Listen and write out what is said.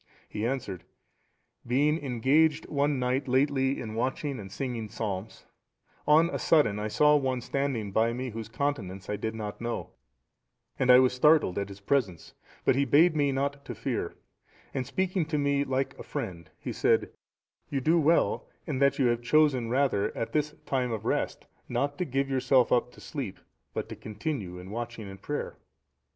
He answered, "Being engaged one night lately in watching and singing psalms, on a sudden I saw one standing by me whose countenance I did not know, and I was startled at his presence, but he bade me not to fear, and speaking to me like a friend he said, 'You do well in that you have chosen rather at this time of rest not to give yourself up to sleep, but to continue in watching and prayer.